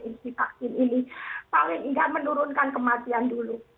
insi vaksin ini paling tidak menurunkan kematian dulu